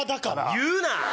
言うな！